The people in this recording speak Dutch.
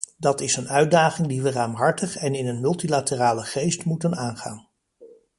Dat is een uitdaging die we ruimhartig en in een multilaterale geest moeten aangaan.